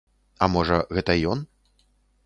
А можа, гэта ён?